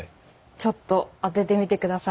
ちょっと当ててみてください。